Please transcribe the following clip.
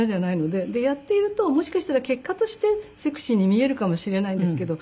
でやっているともしかしたら結果としてセクシーに見えるかもしれないですけど。